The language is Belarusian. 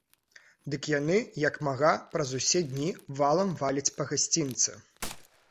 Дык яны як мага праз усе дні валам валяць па гасцінцы.